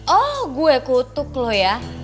oh gue kutuk loh ya